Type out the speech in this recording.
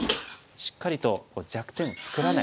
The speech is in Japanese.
しっかりと弱点を作らない。